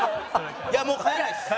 いやもう変えないです！